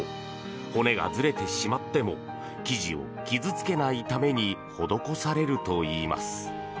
骨がずれてしまっても生地を傷つけないために施されるといいます。